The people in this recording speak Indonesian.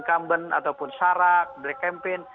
ataupun syarak black campaign